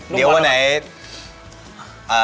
เดี๋ยวอันไหร่